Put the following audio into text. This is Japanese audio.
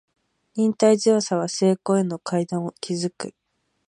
忍耐強さは成功への階段を築く